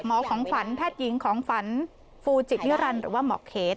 ของฝันแพทย์หญิงของฝันฟูจิตนิรันดิหรือว่าหมอเคส